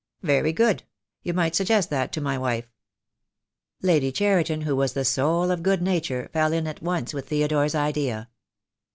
"Very good. You might suggest that to my wife." Lady Cheriton, who was the soul of good nature, fell in at once with Theodore's idea.